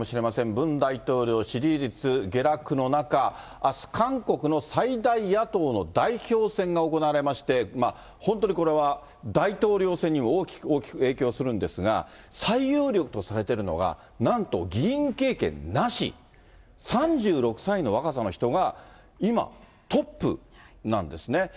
ムン大統領、支持率下落の中、あす、韓国の最大野党の代表選が行われまして、本当にこれは、大統領選に大きく大きく影響するんですが、最有力とされているのが、なんと、議員経験なし、３６歳の若さの人が、今、トップなんですね。